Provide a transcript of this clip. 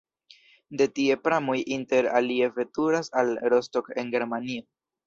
De tie pramoj inter alie veturas al Rostock en Germanio.